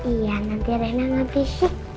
iya nanti reina ngeberisik